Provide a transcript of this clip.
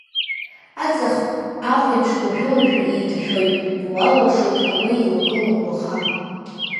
Аҵых ахәиеиԥш уажәы-уажәы еиҭашәоит, иуалуашоит, агәы еилагылом уаха.